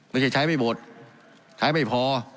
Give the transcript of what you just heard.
ไม่ใช่ใช้ไม่หมดใช้ไม่พอ